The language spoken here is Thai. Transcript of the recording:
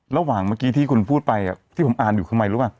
ระหว่างเมื่อกี้ที่คุณพูดไปที่ผมอ่านอยู่ข้างไรรู้ป่ะ